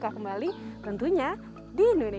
kita bisa menerima wisatawan yang berkunjung